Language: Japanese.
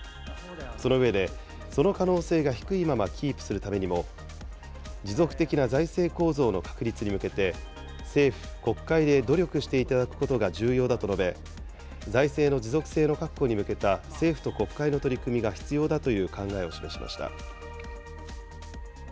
その上で、その可能性が低いままキープするためにも、持続的な財政構造の確立に向けて、政府・国会で努力していただくことが重要だと述べ、財政の持続性の確保に向けた政府と国会の取り組みが必要だという考えを示しました。